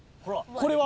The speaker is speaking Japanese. これは？